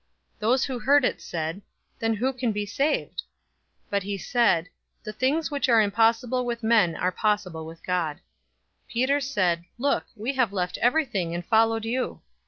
018:026 Those who heard it said, "Then who can be saved?" 018:027 But he said, "The things which are impossible with men are possible with God." 018:028 Peter said, "Look, we have left everything, and followed you."